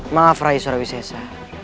maaf rai surawisese